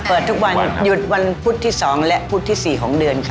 เปิดทุกวันหยุดวันพุธที่๒และพุธที่๔ของเดือนค่ะ